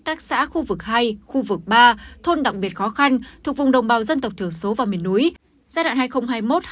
các xã khu vực hai khu vực ba thôn đặc biệt khó khăn thuộc vùng đồng bào dân tộc thiểu số và miền núi giai đoạn hai nghìn một mươi sáu hai nghìn hai mươi một